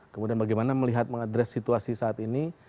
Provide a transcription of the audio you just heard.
kemudian bagaimana melihat mengadres situasi saat ini